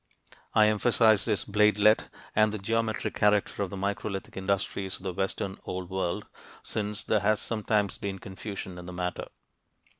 I emphasize this bladelet and the geometric character of the microlithic industries of the western Old World, since there has sometimes been confusion in the matter.